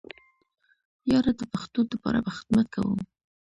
ياره د پښتو د پاره به خدمت کوو.